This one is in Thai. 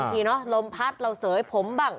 นี่เนอะลมพัดเราเสยผมบ้าง